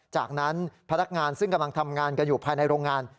จากนั้นพนักงานซึ่งกำลังทำงานกันอยู่ภายในโรงงาน